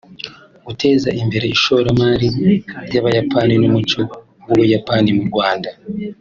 guteza imbere ishoramari ry’Abayapani n’umuco w’u Buyapani mu Rwanda